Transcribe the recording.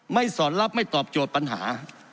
สอนรับไม่ตอบโจทย์ปัญหา